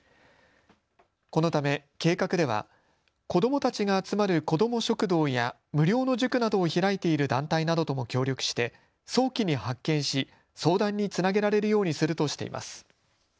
このため計画では子どもたちが集まる子ども食堂や無料の塾などを開いている団体などとも協力して早期に発見し相談につなげられるようにするとしています。